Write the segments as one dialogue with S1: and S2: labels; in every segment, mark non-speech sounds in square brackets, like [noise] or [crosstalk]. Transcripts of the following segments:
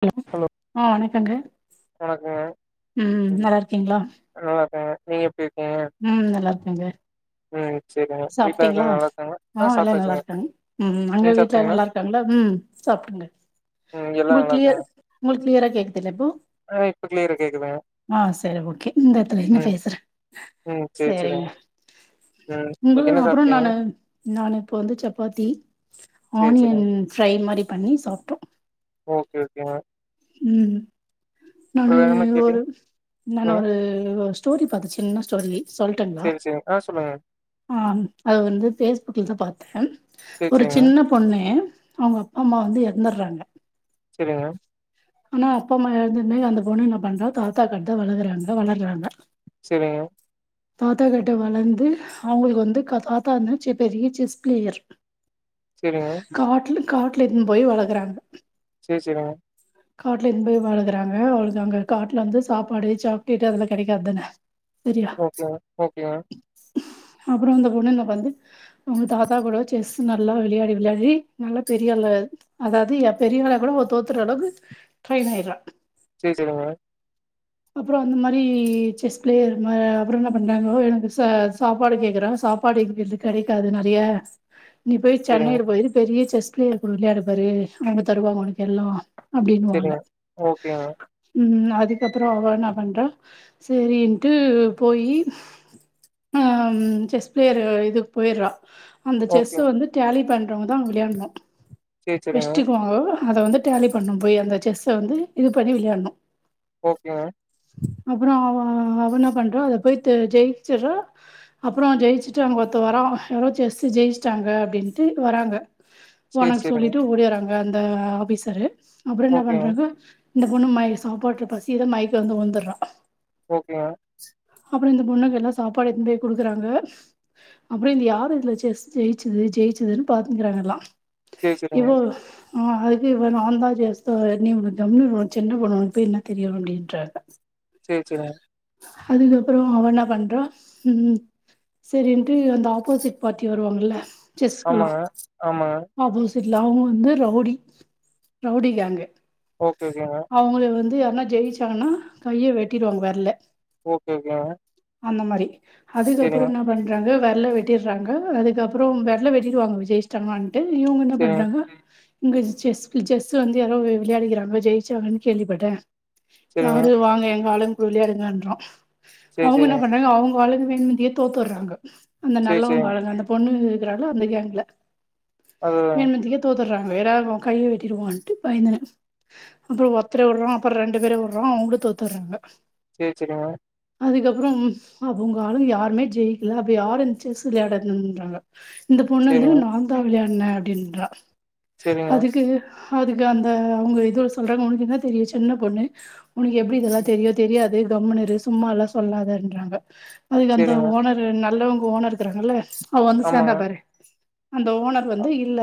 S1: Hello ஆ வணக்கங்க
S2: வணக்கங்க
S1: ம் நல்லாருக்கீங்ளா
S2: நல்லா இருக்கே நீங்க எப்டி இருக்கீங்க
S1: ம் நல்லா இருக்கேங்க
S2: ம் சேரிங்க வீட்ல
S1: சாப்ட்டீங்களா
S2: இருக்கவங்க நல்லா இருக்காங்களா
S1: ஆ எல்லா நல்லா
S2: சாப்ட்டாச்சுங்க
S1: இருக்காங்க ம் அங்க
S2: நீங்க
S1: வீட்ல
S2: சாப்ட்டீங்களா
S1: நல்லா இருக்காங்களா ம் சாப்புடுங்க
S2: ம் எல்லா நல்லாரு
S1: கிளியர் உங்களுக்கு கிளியரா கேக்குதுல இப்போ
S2: அ இப்ப க்ளியர் கேக்குதுங்க
S1: ஆ சரி ஓகே இந்த இடத்துலந்து
S2: ம்
S1: பேசுற
S2: ம் சேரி
S1: சேரிங்
S2: சேரிங்க ம்
S1: உங்க
S2: இன்னைக்கு என்ன
S1: அப்றோ
S2: சாப்ட்டீங்க
S1: நானு நானு இப்ப வந்து சப்பாத்தி
S2: சேரி
S1: ஆனியன்
S2: சேரிங்க
S1: ஃப்ரை மாரி பண்ணி சாப்ட்டோ
S2: ஓகே ஓகே
S1: ம் நானு
S2: வேற என்ன
S1: ஒரு
S2: கேட்டீங்க
S1: நானு
S2: சொல்லுங்க
S1: ஒரு ஸ்டோரி பாத்த சின்னஸ்டோரி சொல்ட்டங்
S2: சரி சரி ஆ சொல்லுங்க
S1: ஆ அது வந்து ஃபேஸ்புக்ல தா பாத்த
S2: சேரி
S1: ஒரு
S2: சேரிங்க
S1: சின்ன பொண்ணு அவங்க அப்பா அம்மா வந்து எறந்தட்றாங்க
S2: சரிங்க
S1: ஆனா அப்ப அம்மா எறந்தபின்னே அந்த பொண்ணு என்ன பண்றா தாத்தா கர்ட்டா வளர்கறாங்க வளர்றாங்க
S2: சரிங்க
S1: தாத்தாக்கிட்ட வளந்து அவங்களுக்கு வந்து தாத்தா இருந்து பெரிய செஸ் பிளேயர்
S2: சேரிங்க
S1: காட்ல காட்டுல எத்னு போய் வளக்குறாங்க
S2: சேரி சேரிங்க
S1: காட்ல எடுத்துனு போய் வழுக்குறாங்க அவளுக்கு அங்க காட்ல வந்து சாப்பாடு சாக்லேட்டு அதெல்லா கெடைக்காதுதானே சரியா
S2: ஓகேங்க ஓகேங்க
S1: அப்றோ அந்த பொண்ணு என்ன பண்து அவங்க தாத்தா கூட செஸ் நல்லா விளையாடி விளையாடி நல்லா பெரியல்ல அதாவது எ பெரியவள கூட ஒரு தோத்துற அளவுக்கு ட்ரெயின் ஆய்ட்றா
S2: சேரி சரிங்க
S1: றோ அந்த மாதிரி செஸ் பிளேயர் அப்றோ என்ன பண்றாங்கோ எனக்கு சாப்பாடு கேக்குறாங்கா படிக்கற்து கிடைக்காது நெறைய நீ போய்
S2: சேரிங்க
S1: சென்னையில பொயிரு பெரிய செஸ் ப்ளேயர் கூட விளையாடிப்பாரு அவுங்க தருவாங்க உனக்கு எல்லா அப்டின்னுவாங்க
S2: சேரிங்க ஓகேங்க
S1: ம் அதுக்கப் த்றோ அவ என்ன பண்றா சரின்ட்டு போயி ஆம் செஸ் பிளேயர் இதுக்கு போய்றா அந்த செஸ்ஸு
S2: ஓகேங்க
S1: வந்து டேலி பண்ணறவங்கதா வெளையாடுனு
S2: சேரி சேரிங்க
S1: வெஸ்ட் [unintelligible] அத வந்து டேலி பண்ணும் போய் அந்த செஸ்ஸ வந்து இது பண்ணி விளையாட்ணு
S2: ஓகேங்க
S1: அப்பறோ அவ அவெ என்ன பண்றா அத போய் தெ ஜெயிச்சற அப்பறோ ஜெயிச்சுட்டு அங்க ஒருத்த வரறா யாரோ செஸ்ஸு ஜெயிச்சிட்டாங்க அப்டின்ட்டு வராங்க
S2: சேரி
S1: ஒனக்கு
S2: சேரிங்க
S1: சொல்லிட்டு ஓடியறாங்க அந்த ஆஃபீசரு அப்பறோ என்ன
S2: ஓகேங்க
S1: பண்றாங்க இந்த பொண்ணு மய சாப்பாடுல பசியோட மயக்க வந்து வுழுந்தட்றா
S2: ஓகேங்க
S1: அப்பறோ இந்த பொண்ணுக்கு எல்லா சாப்பாடு எத்துனு போய் குடுக்குறாங்க அப்பறோ இந்த யாரு இதுல செஸ் ஜெயிச்சது ஜெயிச்சதுன்னு பாத்துங்கிறாங்க எல்லா
S2: சேரி சேரிங்க.
S1: இவோ ஆ அதுக்கு இவ நாந்தா செஸ்ஸு நீ கம்முனு இரு ஒ சின்ன பொண்ணு ஒனக்கு போய் என்ன தெரியு அப்டின்றாங்க
S2: செர் செரிக
S1: அதுக்கப்பறோ அவ என்ன பண்றா ம் ம் செரின்ட்டு அந்த ஆப்போசிட் பார்ட்டி வருவாங்கல்ல செஸ்க்கெல்லா
S2: ஆமாங்க, ஆமாங்க.
S1: ஆப்போசிட்ல அவங்க வந்து ரவுடி ரவுடி கேங்கு
S2: ஓகே ஓகேங்க
S1: அவங்கள வந்து யார்னா ஜெயிச்சாங்கன்னா கைய வெட்டிடுவாங்க வெரல
S2: ஓகே ஓகேங்க
S1: அந்த மாரி அதுக்கப்பறோ
S2: சேரிங்க,
S1: என்ன பண் றாங்க வெரல வெட்டிறாங்க அதுக்கப்பறோ வெரல வெட்டிடுவாங்க அவங் ஜெய்ச்சுட்டாங்கன் ட்டு இவங்க என்ன
S2: சேரிங்க,
S1: பண்றாங்க இங்க செஸ் செஸ்ஸு வந்து யாரோ வி விளையாடிக்கிறாங்க ஜெயிச்சாங்கன்னு கேள்விப்பட்டே
S2: சேரிங்க.
S1: யாரு வாங்க எங்க ஆளுங் கூட விளையாடுங்கன்றா
S2: சேரி
S1: அவங்க என்ன
S2: சேரிங்க,
S1: பண்றாங்க அவங்க ஆளுங்க வேணுமிதியே தோத்துடுறாங்க அந்த
S2: சேரி சேரிங்க.
S1: நல்லவங்காளுங்க அந்த பொண்ணு இருக்குறால அந்த கேங்குல
S2: அது
S1: என்னத்துக்கே தோத்துறாங்க வேறாவ்து கைய வெட்டிடுவான்ட்டு பயந்துனு அப்பறோ ஒத்தர விடுறோ அப்பறோ ரெண்டு பேரயு விடுறோ அவங்களு தோத்துறாங்க
S2: செர் செரிங்க
S1: அதுக்கப்பறோ அவங்க ஆளுங்க யாருமே ஜெயிக்கல அப்ப யாரு இந்த செஸ் விளையான்றதுன்றாங்க இந்த பொண்ணு வந்து
S2: சேரிங்க,
S1: நாந்தா விளையாண்ண அப்டின்றா
S2: சேரிங்க,
S1: அதுக்கு அதுக்கு அந்த அவுங்க இதோ சொல்றாங்க உனக்கு என்ன தெரியு சின்ன பொண்ணு உனக்கு எப்டி இதெல்லா
S2: ம்
S1: தெரியோ தெரியாது கம்முனு இரு சும்மா எல்லா சொல்லாதன்றாங்க அதுக்கு அந்த
S2: சேரிங்க.
S1: ஓனர் இ நல்லவுங்க ஓனர் இருக்கிறாங்கல்ல அவ வந்து சேந்தா
S2: ஆமாங்க.
S1: பாரு அந்த ஓனர் வந்து இல்ல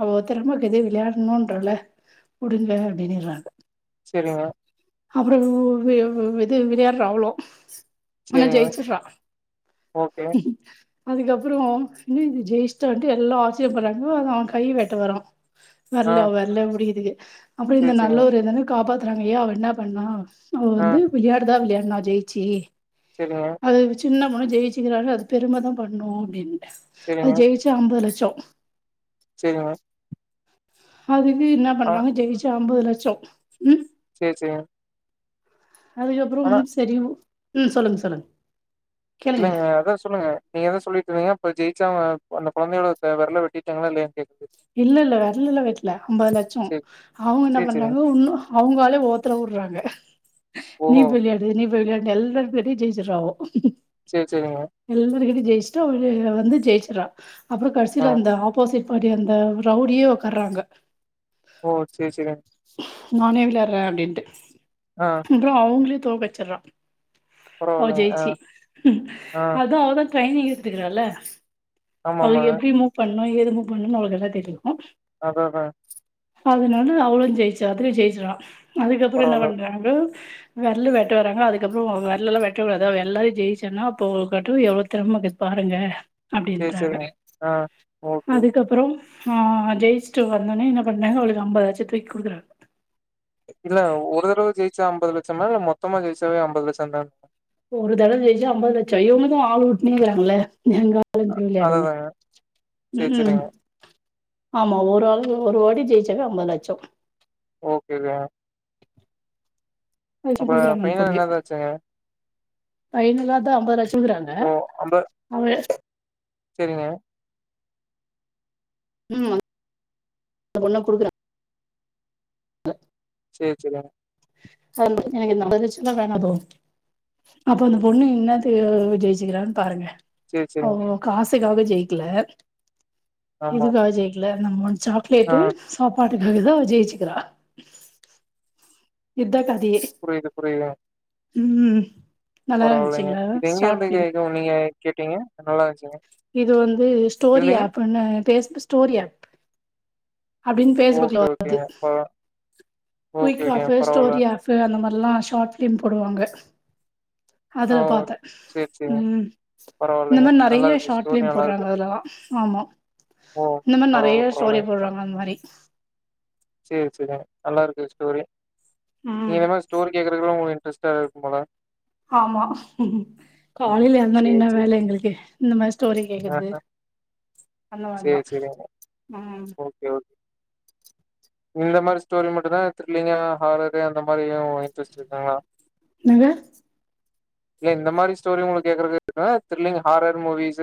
S1: அவ திரும க எதே விளையாடணுன்றால குடுங்க அப்டின்னுனிறாங்க
S2: செரிங்க
S1: அப்பறோ உ வி வ் இது விளையாடுறோ அவளோ ஆனா
S2: சேரிங்க.
S1: ஜெயிச்சுறா
S2: ஓகே.
S1: அதுக்கப்பறோ என்ன இது ஜெயிச்சுடான்ட்டு எல்லா ஆச்சரிய படுறாங்கோ அத அவன் கை வெட்ட வரா
S2: ஆ
S1: நல்லா வெரல புடிக்குதுக அப்றோ இந்த
S2: சேரி
S1: நல்ல
S2: சேரிங்க.
S1: ஒரு எதுனா காப்பாத்துறாங்க ஏ அவ என்ன பண்ணா அவ
S2: ஆ
S1: வந்து விளையாடுதா விளையாடனா ஜெயிச்சு
S2: செரிங்க
S1: அது சின்ன பண்ணு ஜெயிச்சுக்கிறால அது பெருமை தா படணு அப்டின்ட்டு அது
S2: சேரிங்க,
S1: ஜெயிச்சா அம்பது லட்சோ
S2: செரிங்க
S1: அதுவே என்ன
S2: ஆனா
S1: பண்றாங்க ஜெயிச்சா அம்பது லட்சோ ம்
S2: சேரி செரி
S1: அதுக்கப்பறம் செரி உ ம் சொல்லுங்க சொல்லுங்க கேளுங்க
S2: இல்லங்க அதா சொல்லுங்க நீங்க எதோ சொல்லிட்டு இருந்தீங்க இப்ப ஜெயிச்சா அவ அந்த கொழந்தையோட த விரல வெட்டிட்டாங்களா இல்லயான்னு கேக்குது
S1: இல்ல இல்ல வெரல லா வெட்டல இல்ல அம்பது லட்சோ
S2: சேரி
S1: அவுங்க என்ன
S2: சேரி சேரிங்க.
S1: பண்றாங்க வுன்னு அவுங்காலு ஓத்தரா வுடுறாங்க நீ
S2: ஓஹோ!
S1: பிள்ளியா வெளையாடு நீ போய் வெளையாடுனு எல்லாரு பேர்டயு ஜெய்சிரா அவ
S2: சேரி செரிங்க
S1: எல்லார்கிட்டயு ஜெயிச்சுட்டு அவரு அவ வந்து ஜெயிச்சிறா அப்பறோ
S2: ஆ
S1: கடைசில அந்த ஆப்போசிட் பார்ட்டி அந்த ரவுடியே உக்கார்றாங்க
S2: ஓ சேரி சேரி
S1: நானே விளாடுறே அப்டின்ட்டு
S2: ஆ
S1: அப்பறோ அவுங்களே தோற்க்கடிச்சுடுறா அவ
S2: பரவாயில்லங்க. ஆ,
S1: ஜெயிச்சு
S2: ஆ.
S1: அத அவதா ட்ரைனிங் எடுத்துக்கிறால அவுங்களுக்கு
S2: ஆமாமாங்க.
S1: எப்டி மூவ் பண்ணணு ஏது மூவ் பண்ணணுனு அவளுக்கு எல்லா தெரியு
S2: ஆ ஹ ஹா
S1: அதுனால அவளு ஜெயிச்சா அதுலயு ஜெயிச்சுறா அதுக்கப்பறோ என்ன
S2: பரவால்ல.
S1: பண்றாங்க வெரலு வெட்டு வராறங்க அதுக்கப்பறோ வெரலல்லா வெட்டக்கடாது அவ எல்லாரையு ஜெயிச்சன்னா அப்போ கட்டு எவ்ளோ தெறம இருக்கு பாருங்க
S2: சரி,
S1: அப்டின்றாங்க
S2: சரிங்க. ஆ. Okay, okay.
S1: அதுக்கப் பறோ அ ஜெயிச்சுட்டு வந்தோனே என்ன பண்றாங்க அவளுக்கு அம்பது லட்ச்சத தூக்கி குடுக்குறாங்க
S2: இல்ல ஒருதடவ ஜெயிச்சா அம்பது லட்சமா இல்ல மொத்தமா ஜெய்ச்சாவே அம்பது லட்ச தான
S1: ஒரு தடவை ஜெயிச்சா அம்பது லட்சோ இவுங்க தா ஆள் வுட்டுனேக்காங்களே எங்க ஆளுங்குட வெளையாடுக
S2: அததாங்க. சரி,
S1: ம் ஹும்
S2: சரிங்க.
S1: ஆமா ஒரு ஆளுக்கு ஒரு வாட்டி ஜெயிச்சக்க அம்பது லட்சோ
S2: ஓகே தா
S1: அதாச்சு
S2: அப்புறம்
S1: குடுக்குறாங்க அந்த
S2: ஃபைனல்
S1: பொண்ணுக்கு
S2: என்னதாச்சுங்க?
S1: ஃபைனல்லா தா அம்பது லட்சோக்குறாங்க அவ
S2: சேரிங்க
S1: ம் ஆமாங் அந்த பொண்ணுக்கு குடுக்குறாங்க
S2: சேர் செரியா
S1: அத எனக்கு நடந்துச்சுன்னா வேணா பவ் அப்போ அந்த பொண்ணு என்னாத்து ஜெயிச்சுக்கிறான் பாருங்க
S2: சரி, சரிங்க.
S1: அவ காசுக்காக ஜெயிக்கல
S2: ஆமாமா.
S1: இதுக்காக ஜெயிக்கல நம்ம ச
S2: ஆ.
S1: பிளேட்டு சாப்பாட்டுக்காகதா ஜெயிச்சுக்கிறா இத்தா கதயே
S2: புரியுது புரியுது
S1: ம் நல்லா
S2: பரவால்லங்க
S1: இருந்துச்சுங்களா
S2: இது எங்க
S1: ஷார்ட்
S2: இருந்து
S1: ஃபிலிம்
S2: க நீங்க கேட்டீங்க நல்லா இருந்ச்சுங்க
S1: இது வந்து ஸ்டோரி ஆப்ன்னு பேச ஸ்டோரி ஆப் அப்டின்னு பேஸ்புக்ல
S2: ஓகே,
S1: வருது
S2: ஓகேங்க. பரவா ஓகே,
S1: குயிக் ஆப்
S2: ஓகேங்க. பரவால்ல.
S1: ஸ்டோரி ஆப் அந்த மாரிலா ஷார்ட் பிலிம் போடுவாங்க
S2: ஆ.
S1: அதுல
S2: ஓ.
S1: பாத்த
S2: சரி, சரிங்க.
S1: ம் இந்த
S2: பரவாயில்லைங்க.
S1: மாரி
S2: நல்லா
S1: நெறய
S2: இருக்கு
S1: ஷார்ட்
S2: ஸ்டோரி
S1: பிலிம்
S2: நல்லா
S1: போடுறாங்க
S2: இருக்கு.
S1: அதுலல்லா ஆமா
S2: ஓ!
S1: இந்த மாரி
S2: பரவால்ல,
S1: நெறய ஸ்டோரி
S2: பரவால்லைங்க.
S1: போடுறாங்க அந்த மாரி
S2: சரி சரி நல்லாருக்கு ஸ்டோரி நீங்க
S1: ம்
S2: இந்த மாரி ஸ்டோரி கேக்குறக்குதா உங்களுக்கு இன்ட்ரெஸ்ட் டா இருக்கு போல
S1: ஆமா
S2: ம்.
S1: காலைல எழுந்தோனே
S2: சரி,
S1: என்னா
S2: சரி.
S1: வேல எங்களுக்கு இந்த மாரி ஸ்டோரி கேக்குற்து
S2: ஆஹ.
S1: அந்த மாரிதா
S2: சரி, சரிங்க.
S1: ம்
S2: ஓகே ஓகே
S1: [inaudible]
S2: இந்த மாரி ஸ்டோரி மட்டும்தா த்ரில்லிங்கா ஹாரரு அந்த மாரியு இன்ட்ரெஸ்ட் இருக்குங்ளா
S1: என்னங்க
S2: இல்ல இந்த மாரி ஸ்டோரி உங்களுக்கு கேக்குறது எப்டினா த்ரில்லிங் ஹாரர் மூவிஸ்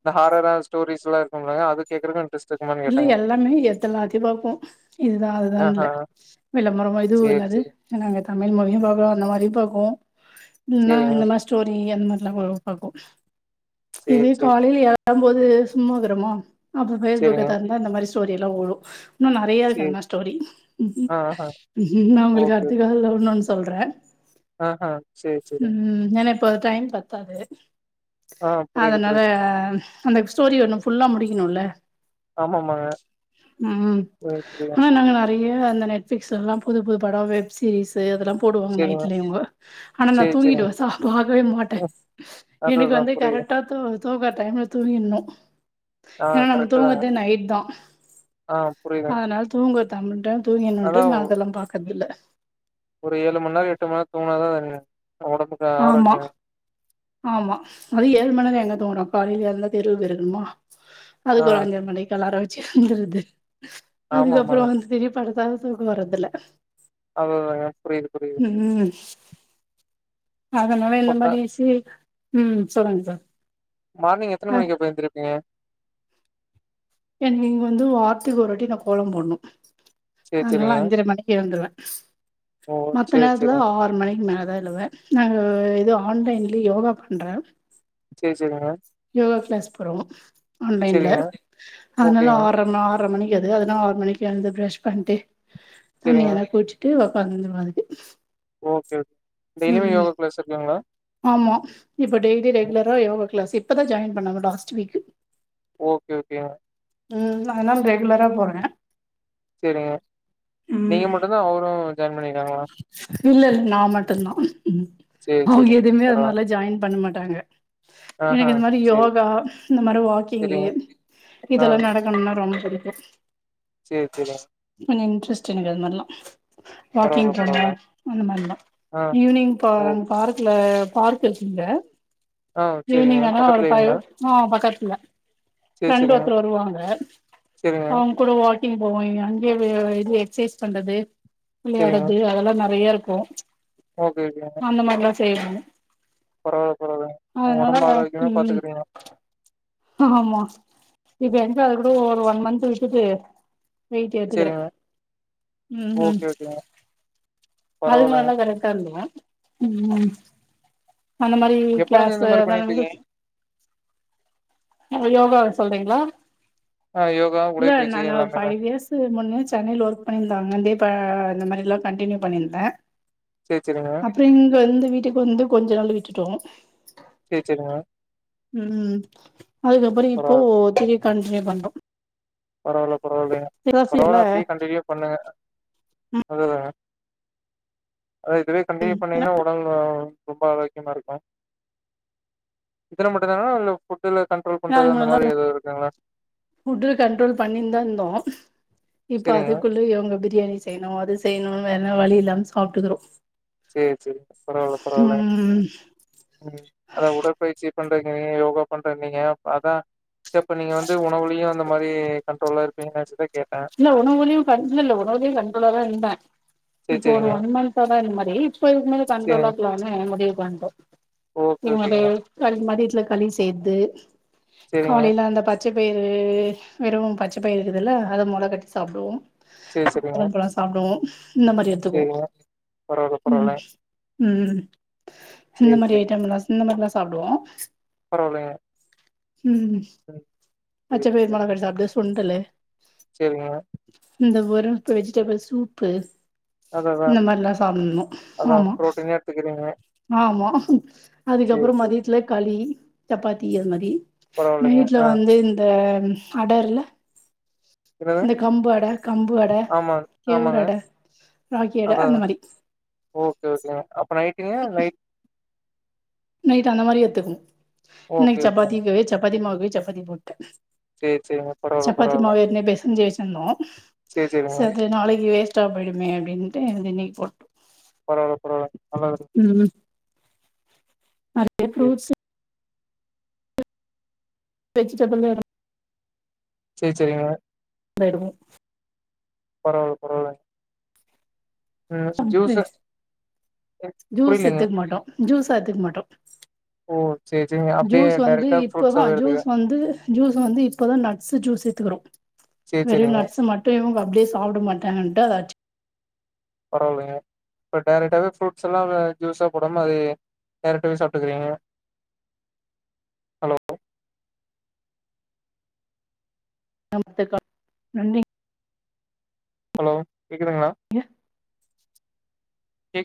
S2: இந்த ஹார்ரா ஸ்டோரிஸ்லா இருக்கும்லங்க அது கேக்குறக்கு இன்ட்ரெஸ்ட் இருக்குமா
S1: இல்ல எல்லாமே எத்தெல்லாத்தையு பாப்போ இதுதா அதுதான் இல்ல
S2: ஆஹ.
S1: விளம்பரமோ இது
S2: சரி,
S1: என்னது
S2: சரி.
S1: நாங்க தமிழ் மொழியு பாக்கோ அந்த மாதிரியு பாக்கோ
S2: சரிங்க.
S1: இந்த மாரி ஸ்டோரி அந்த மாரிலா கூட பாக்கோ
S2: சரி,
S1: இது
S2: சரி.
S1: காலைல வரும்போது சும்மா இருக்குறோமா அப்ப ஃபேஸ்புக்க
S2: சரிங்க.
S1: தெறந்தா இந்த மாரி ஸ்டோரில்லா ஓடு இன்னு நறையா இருக்கு அந்த
S2: சரி.
S1: மாரி ஸ்டோரி
S2: ஆ, ஆஹ.
S1: நா உங்களுக்கு அடுத்த கால்ல இன்னொன்னு சொல்றே
S2: ஆ ஹா
S1: ம் ஏன்னா இப்ப டைம் பத்தாது
S2: ஆ புரியுது
S1: அதனால
S2: புரியுது
S1: அந்த ஸ்டோரி ஒன்னு ஃபுல்லா முடிக்கணும்ல
S2: ஆமாமாங்க.
S1: ம்
S2: புரியுது புரியுது.
S1: ஆனா நாங்க நெறைய அந்த நெட் ஃப்லிக்ஸ்ல எல்லா புது புது படோ வெப் சீரிஸ் அதெல்லா போடுவாங்க
S2: சரிங்க.
S1: நைட்ல இவுங்க ஆனா நா
S2: சரி, சரிங்க.
S1: தூங்கிடுவே சா பக்கவே மாட்ட
S2: ம்.
S1: எனக்கு
S2: அதுதான்
S1: வந்து
S2: புரியுது.
S1: கரெக்ட்டா நல்லா தூ தூங்கற டைம்ல தூங்கின்னு
S2: ஆ
S1: ஏன்னா நம்ம
S2: கரெக்ட்டு தாங்க.
S1: தூங்கர்தே நைட் தா
S2: ஆ புரியுது.
S1: அதனால தூங்க தம்மி தா தூங்கிர்னு இன்ட்டு
S2: அதான்
S1: நா அதெல்லா பாக்கர்தில்ல
S2: ஒரு ஏழுமணி நேரோ எட்டு மணிநேரோ தூங்கணாதா ஒடம்புக்
S1: ஆமா ஆமா அதுவு ஏழுமணிநேரோ எங்க தூங்குறோ காலேல எழுந்தா தெருவ பெருக்கணுமா
S2: ஆ
S1: அதுக்கு ஒரு அஞ்சர மணிக் அலாரோ வெச்சி எழுந்துட்றது அதுக்கப்புறோ
S2: ஆமாமாங்க.
S1: வந்து திருப்பி படுத்தாலு தூக்கோ வர்றதில்ல
S2: அவ்ளோதாங்க புரிது புரிது
S1: ம் அதனால இந்த
S2: அப்ப
S1: மாரி சி ம் சொல்லுங்க சார்
S2: மார்னிங் எத்தன
S1: அ
S2: மணிக்கு அப்போ எந்திருப்பீங்க
S1: எனக்கு இங்க வந்து வாரத்துக்கு ஒருவாட்டி நா கோலம் போட்ணு
S2: சரி,
S1: அதனால
S2: சரிங்க.
S1: அஞ்சர மணிக்கு எழுந்துருவ
S2: ஓ!
S1: மத்த
S2: சரி,
S1: நேரத்துல
S2: சரிங்க.
S1: ஆறு மணிக்கு மேலதா எழுவே நா எதோ ஆன்லைன்லயே யோகா பண்றே
S2: சேர் சேரிங்க
S1: யோகா கிளாஸ் போறோ ஆன்லைன்ல
S2: செரிங்க
S1: அதனால ஆர்ற ஆர்ற மணிக்கு அது அதனா ஆறு மணிக்கு எழுந்து ப்ரஷ் பண்ட்டு தண்ணி
S2: சரிங்க.
S1: எதனா கூச்சிட்டு ஒக்காந்துருவே அதுக்கு
S2: ஓகே ஓ
S1: ம்
S2: டெய்லியுமே யோகா
S1: ம்
S2: க்ளாஸ் இருக்குங்களா
S1: ஆமா இப்ப டெய்லி ரெகுலரா யோகா கிளாஸ் இப்பதா ஜாயின் பண்ண லாஸ்ட் வீக்
S2: ஓகே ஓகேங்க
S1: ம் அதனால ரெகுலரா போறே
S2: சேரிங்க
S1: ம்
S2: நீங்க மட்டுந்தா அவரு ஜாயின் பண்ணிக்காங்ளா
S1: இல்ல நா மட்டுந்தா
S2: சரி,
S1: அவுங்க
S2: சரிங்க.
S1: எதுமே அந்த
S2: பரவால்ல.
S1: மாரிலா ஜாயின் பண்ண மாட்டாங்க
S2: ஆஹா
S1: எனக்கு இந்த மாரி
S2: சரி
S1: யோகா இந்த மாரி வாக்கிங்கு
S2: சரிங்க. ஆ
S1: இதெல்லா நட ம்னா ரொம்ப புடிக்கு
S2: சேர் சேரிங்க
S1: கொஞ்சோ இன்ட்ரெஸ்ட் எனக்கு அது மாரில்லா
S2: பரவால்ல
S1: வாக்கிங் போறல
S2: பரவால்ல.
S1: அந்த மாரிதா
S2: ஆ
S1: ஈவ்னிங்
S2: ஓ
S1: போறாங் பார்க்கல பார்க் [unintelligible]
S2: ஆ சரிங்க.
S1: ஈவ்னிங் ஆனா ஒரு பைவ்
S2: பக்கத்துலேங்களா?
S1: ஆ பக்கத்துல
S2: சரி
S1: ஃப்ரண்டு
S2: சரிங்க.
S1: ஒருத்தர் வருவாங்க
S2: சரிங்க
S1: அவுங் கூட வாக்கிங் போவோ அங்கேய இது எக்சைஸ் பண்றது
S2: சரிங்க.
S1: விளையாடது அதெல்லா நெறைய இருக்கும்
S2: ஓகே ஓகேங்க.
S1: அந்த மாரி எல்லா செய்வ நானு
S2: பரவால்ல பரவால ஒடம்பு ஆரோக்கியமா
S1: ம்
S2: பாத்துக்கிறீங்க
S1: ஆமா இப்ப எங்க அது கூட ஒரு ஒன் மந்த் விட்டுட்டு வெய்ட்டு ஏத்துக்கற
S2: சரிங்க.
S1: ம் ஹு
S2: ஓகே ஓகேங்க.
S1: அதுக்கு
S2: பரவால்லங்க.
S1: நல்லா கரெக்டா இருந்த மேம் அந்த மா [unintelligible]
S2: எப்பருந்து
S1: க்ளாஸு
S2: இந்த மாரி
S1: அதா [unintelligible]
S2: பண்ணிட்டுருக்கீங்க?
S1: யோகா சொல்றீங்களா
S2: ஆ யோகா,
S1: இல்ல
S2: உடைப்பயிற்சி
S1: நானு ஒரு
S2: எல்லாமேவா?
S1: ஃபைவ் இயர்ஸ் முன்ன சென்னையில ஒர்க் பண்ணியிருந்தாங்க தீபா இந்த மாரில்லா கண்டினியூ பண்ணியிருந்தே
S2: சேர் செரிங்க
S1: அப்பறோ இங்க இந்த வீட்டுக்கு வந்து கொஞ்ச நாள் விட்டுட்டோ
S2: ஃபீச்சருங்க
S1: ம் அதுக்கப்புறோ இப்போ
S2: பரவால்ல
S1: திரிய கண்டினியூ பண்றோ
S2: பரவால்ல பரவால்லைங்க
S1: ல்ல
S2: பரவால்ல அப்டியே கண்டனியூவா பண்ணுங்க அதுதா அதா இதுவே கண்டினியூ பண்ணீங்கன்னா ஒடல் வ ரொம்ப ஆரோக்கியமா இருக்கெ இதுல மட்டுந்தானா இல்ல இதுல கண்ட்ரோல் பண்றது
S1: நாளைக்கு
S2: அந்த மாரி
S1: முன்னால
S2: எதாது இருக்குங்களா
S1: ஃபுட்டு கண்ட்ரோல் பண்ணிந்தா இந்தோ இப்ப
S2: சரிங்க.
S1: அதுக்குள்ள இவங்க பிரியாணி செ செய்யணு அது செய்யணு வேறன வழி இல்லாம் சாப்ட்டுக்குறோ
S2: சேர் சேரி பரவால்ல பரவால்ல
S1: ம்ஹ்
S2: ம் அதா உடற்பயிற்சி பண்றீங்க யோகா பண்றேன்னிங்க அதா சர் அப்ப நீங்க வந்து உணவுலயு அந்த மாரி கண்ட்ரோல்ல இருப்பீங்க நெனச்சுதா கேட்டே.
S1: இல்ல உணவுலையு கண் இல்ல இல்ல உணவுலையு கண்ட்றோலாதா இந்தே
S2: சரி
S1: இப்போ ஒரு
S2: சரிங்க.
S1: ஒன் மந்த் தா இந்த மாரி இப்ப இதுக்குமுன்னாடி
S2: சரிங்க.
S1: கண்ட்ரோலாக்கலா முடிவு பண்டோ
S2: ஓகே
S1: என்னுடைய
S2: ஓகேங்க.
S1: களி மதியத்துல களி செய்த்து
S2: சரிங்க.
S1: காலையில அந்த பச்சைப்பயிறு வெறும்வும் பச்ச பயிரு இதல்லா அத மொள கட்டி சாப்டுவோ
S2: சரி
S1: [unintelligible]
S2: சரிங்க.
S1: பழம் சாப்டுவோ இந்த மாரி எத்துக்வோ
S2: சரிங்க. பரவால்ல பரவால்ல.
S1: ம் ம் இந்த
S2: சரி
S1: மாதிரி
S2: சரி.
S1: ஐட்டங்க எல்லா இந்த மார் எல்லா சாப்டுவோ
S2: பரவாலையே
S1: ம் பச்ச
S2: சரி
S1: பேர் மொள கட்டி சாப்டு சுண்டலு
S2: சேரிங்க
S1: இந்த வாரம் ப்ப வெஜிடபிள் சூப்பு
S2: அதா அதா
S1: இந்த மார் எல்லா சாப்ட்ணு
S2: அதா
S1: ஆமா
S2: புரோட்டீனே எடுத்துக்கிறீங்க.
S1: ஆமா
S2: சரி
S1: அதுக்கப்புறம்
S2: சரி.
S1: மதியத்துல களி சப்பாத்தி அது மாரி
S2: பரவால்லைங்க.
S1: நைட்ல
S2: ஆ.
S1: வந்து இந்த அட இல்ல
S2: என்னது?
S1: இந்த கம்பு அட கம்பு அட
S2: ஆமா
S1: கேவுர்
S2: ஆமாங்க.
S1: அட ராகி அட
S2: அதா
S1: அந்த
S2: அதா.
S1: மாரி
S2: ஓகே அப்ப நைட்டுங்க நைட்
S1: நைட் அந்த மாரி எத்துக்குணு
S2: ஓகே
S1: இன்னைக்கு
S2: ஓகேங்க.
S1: சப்பாத்திக்குவே சப்பாத்தி மாவுக்கு சப்பாத்தி போட்ட
S2: சரி சரிங்க. பரவால்ல
S1: சப்பாத்தி
S2: பரவால்ல.
S1: மாவு எத்துனு பெசெஞ்சு வச்சினுந்தோம்
S2: சேரி சேரிங்க
S1: சரி நாளைக்கு வே ச்சா போய்டுமே அப்டின்ட்டு நெய் போட்
S2: பரவால்ல பரவால்ல நல்லது
S1: ம் எ
S2: சேரி
S1: ஃப்ரூட்ஸ் வெஜிடபுள் [inaudible]
S2: சரி சரிங்க
S1: வடுவூ
S2: பரவால்ல பரவால்ல ஜூஸு
S1: ஷப்ரைஸ் ஜூஸ்
S2: புரியலீங்க
S1: எத்துக்க மாட்டோ ஜூஸா எத்துக்க மாட்டோ
S2: ஓ சர் சர்
S1: ஜூஸ் வந்து இப்பதா ஜூஸ் வந்து ஜூஸ் வந்து இப்பதா நட்ஸ் ஜூஸ் எத்துக்குறோ
S2: சேரி
S1: வெறும்
S2: சேரிங்க
S1: நட்ஸ் மட்டு இவங்க அப்டியே சாப்ட மாட்டாங்கன்ட்டு அத அட்ச்சு
S2: பரவால்லங்க பட் டரெக்டாவே ப்ரூட்ஸ் எல்லா ஜூஸா போடாம ஐயையோ டரெக்டாவே சாப்ட்டுக்குறீங்க ஹலோ
S1: அடுத்தக்கால் நன்றி
S2: ஹலோ கேக்குதுங்களா
S1: ஏ
S2: கேக்